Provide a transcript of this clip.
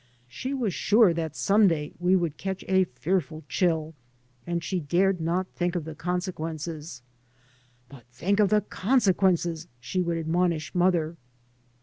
She was sure that some day we would catch a fearful chJlI, and she dared not think of the consequences. " But think of the consequences I " she would admonish mother.